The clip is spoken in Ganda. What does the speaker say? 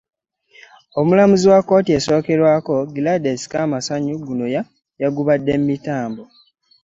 Omulamuzi wa kkooti esookerwako, Gladys Kamasanyu, guno y'agubadde mu mitambo.